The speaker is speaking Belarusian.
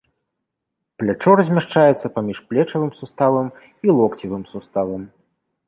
Плячо размяшчаецца паміж плечавым суставам і локцевым суставам.